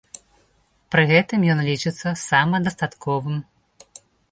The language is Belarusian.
Пры гэтым ён лічыцца самадастатковым.